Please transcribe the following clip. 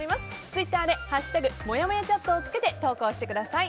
ツイッターで「＃もやもやチャット」を付けて投稿してください。